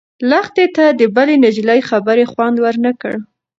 لښتې ته د بلې نجلۍ خبر خوند ورنه کړ.